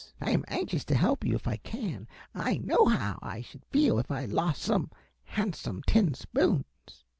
I am anxious to help you if I can. I know how I should feel if I lost some handsome tin spoons."